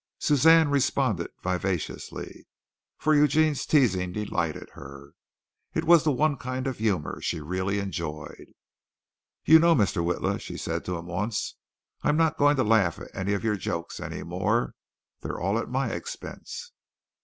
Suzanne responded vivaciously, for Eugene's teasing delighted her. It was the one kind of humor she really enjoyed. "You know, Mr. Witla," she said to him once, "I'm not going to laugh at any of your jokes any more. They're all at my expense."